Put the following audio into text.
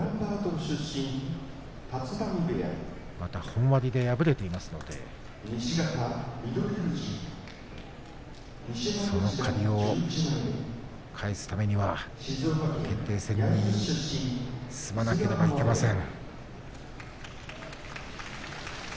本割で敗れていますのでその借りを返すためにも決定戦に進まなくてはいけません。